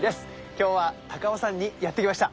今日は高尾山にやってきました。